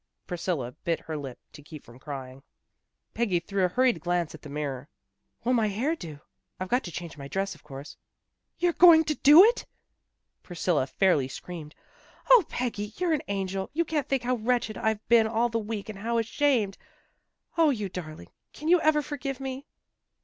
Priscilla bit her lip to keep from crying. Peggy threw a hurried glance at the mirror. " Will my hair do? I've got to change my dress, of course." " You're going to do it? " Priscilla fairly screamed. " 0, Peggy! You're an angel. You can't think how wretched I've been all the week, and how ashamed. 0, you darling! Can you ever forgive me?